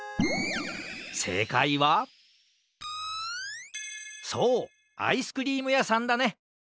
せいかいはそうアイスクリームやさんだね！